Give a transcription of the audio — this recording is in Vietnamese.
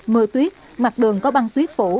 mưa tuyết mặt đường có băng tuyết phủ